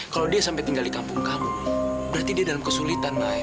kalau dia sampai tinggal di kampung kamu berarti dia dalam kesulitan naik